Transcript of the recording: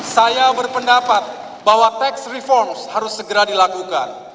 saya berpendapat bahwa tax reform harus segera dilakukan